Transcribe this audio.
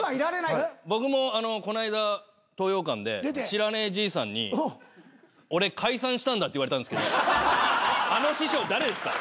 僕もこないだ東洋館で知らねえじいさんに「俺解散したんだ」って言われたんですけどあの師匠誰ですか？